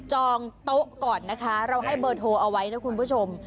องโต๊ะก่อนนะคะเราให้เบอร์โทรเอาไว้นะคุณผู้ชม